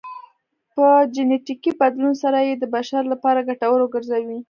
په جنیټیکي بدلون سره یې د بشر لپاره ګټور وګرځوي